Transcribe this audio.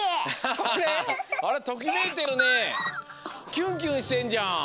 キュンキュンしてんじゃん。